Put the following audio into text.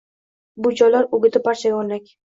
Buvijonlar o‘giti barchaga o‘rnak